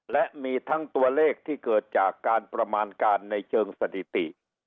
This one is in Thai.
และมีทั้งตัวเลขที่เกิดจากการประมาณการในเชิงสถิติ